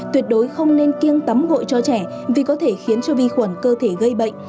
tuyệt đối không nên kiêng tắm gội cho trẻ vì có thể khiến cho vi khuẩn cơ thể gây bệnh